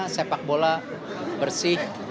sepak bola bersih